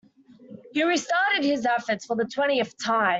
He restarted his efforts for the twentieth time.